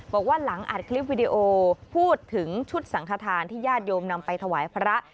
บอกว่าหลังอัดคลิปวิดีโอพูดถึงชุดสังขทานที่ญาติโยมนำไปถวายพระ